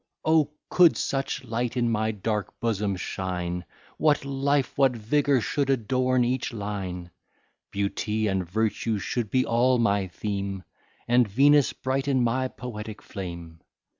O! could such light in my dark bosom shine, What life, what vigour, should adorn each line! Beauty and virtue should be all my theme, And Venus brighten my poetic flame.